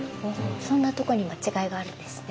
そんなとこにも違いがあるんですね。